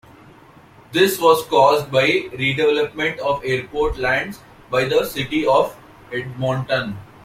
This was caused by redevelopment of airport lands by the City of Edmonton.